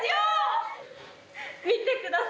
見てください。